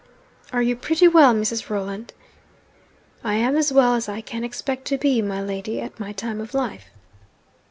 'Are you pretty well, Mrs. Rolland?' 'I am as well as I can expect to be, my lady, at my time of life.'